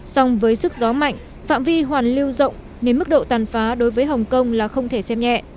song với sức gió mạnh phạm vi hoàn lưu rộng nên mức độ tàn phá đối với hồng kông là không thể xem nhẹ